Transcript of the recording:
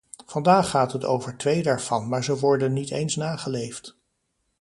Vandaag gaat het over twee daarvan maar ze worden niet eens nageleefd.